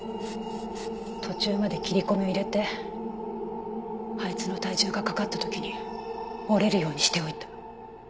途中まで切り込みを入れてあいつの体重がかかった時に折れるようにしておいた。